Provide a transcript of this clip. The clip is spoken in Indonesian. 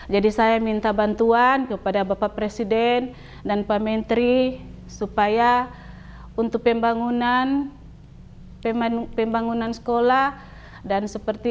jadi saya minta bantuan kepada bapak presiden dan pak menteri supaya untuk pembangunan sekolah